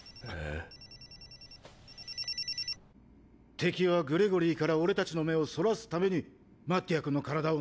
敵はグレゴリーから俺たちの目をそらすためにマッティア君の体を乗っ取った。